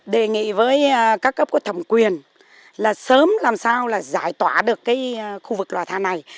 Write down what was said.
đề nghị với các cấp có thẩm quyền là sớm làm sao là giải tỏa được cái khu vực lò than này